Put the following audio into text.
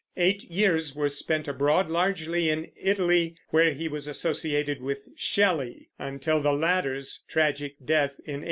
Eight years were spent abroad, largely in Italy, where he was associated with Shelley until the latter's tragic death in 1822.